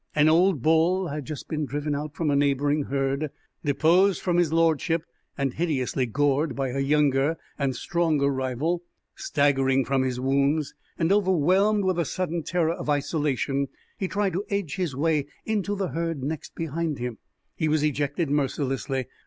An old bull had just been driven out from a neighboring herd, deposed from his lordship and hideously gored by a younger and stronger rival. Staggering from his wounds, and overwhelmed with a sudden terror of isolation, he tried to edge his way into the herd next behind him. He was ejected mercilessly.